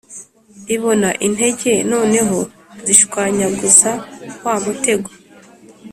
ibona intege noneho zishwanyaguza wa mutego,